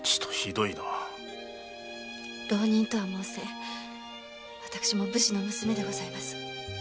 浪人とはもうせ私も武士の娘でございます。